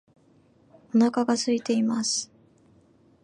お腹が空いています